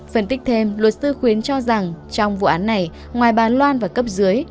phân tích thêm luật sư khuyến cho rằng trong vụ án này ngoài bà loan và cấp dưới